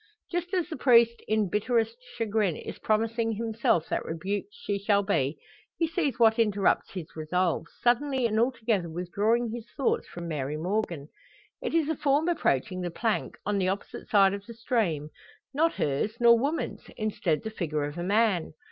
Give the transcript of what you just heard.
Just as the priest in bitterest chagrin is promising himself that rebuked she shall be he sees what interrupts his resolves, suddenly and altogether withdrawing his thoughts from Mary Morgan. It is a form approaching the plank, on the opposite side of the stream; not hers, nor woman's; instead the figure of a man!